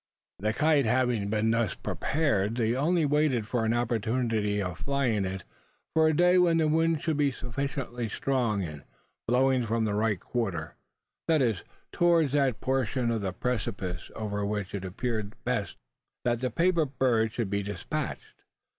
The kite having been thus prepared, they only waited for an opportunity of flying it for a day when the wind should be sufficiently strong, and blowing from the right quarter that is, towards that portion of the precipice over which it appeared best that the paper bird should be dispatched.